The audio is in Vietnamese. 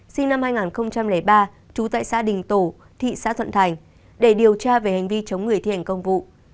sinh năm hai nghìn ba trú tại xã đình tổ thị xã thuận thành để điều tra về hành vi chống người thi hành công vụ